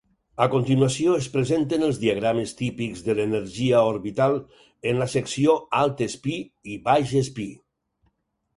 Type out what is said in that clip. A continuació, es presenten els diagrames típics de l'energia orbital en la secció "alt espí" i "baix espí".